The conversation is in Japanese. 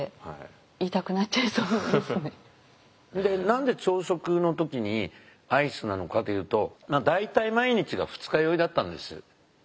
何で朝食の時にアイスなのかというと大体毎日が二日酔いだったんです。